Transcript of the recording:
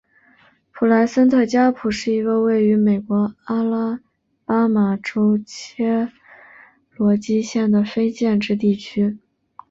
普莱森特加普是一个位于美国阿拉巴马州切罗基县的非建制地区。